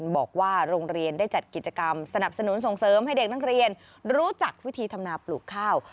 บอกว่าโรงเรียนได้จัดกิจกรรมสนับสนุนส่งเสริมให้เด็กนักเรียนรู้จักวิธีทำนาปลูกข้าว